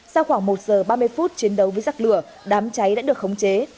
sau khoảng một giờ ba mươi phút chiến đấu với giặc lửa đám cháy đã được khống chế